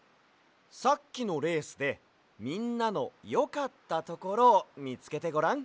さっきのレースでみんなのよかったところをみつけてごらん。